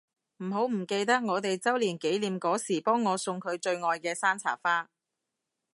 唔好唔記得我哋週年紀念嗰時幫我送佢最愛嘅山茶花